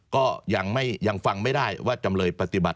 ก็ยังฟังไม่ได้ว่าจำเลยปฏิบัติ